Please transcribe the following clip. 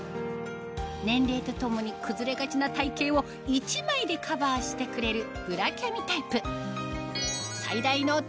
年齢とともに崩れがちな体形を１枚でカバーしてくれるブラキャミタイプ